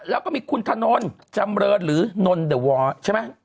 แล้วก็มีคุณถนนจำเรินหรือนนเดอร์วอร์ใช่ไหม